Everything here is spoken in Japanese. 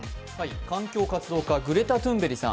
環境活動家、グレタ・トゥンベリさん